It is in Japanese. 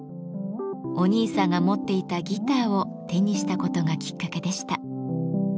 お兄さんが持っていたギターを手にしたことがきっかけでした。